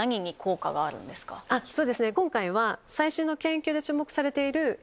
今回は。